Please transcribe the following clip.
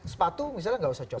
sepatu misalnya gak usah copot